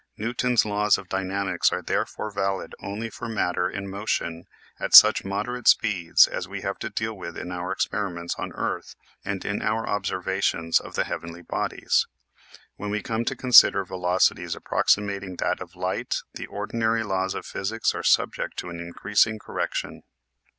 Newton's laws of dynamics are therefore valid only for matter in mo tion at such moderate speeds as we have to deal with in our experiments on earth and in our observations of the heavenly bodies. When we come to consider velocities approximating that of light the ordinary laws of physics are subject to an increasing cor rection.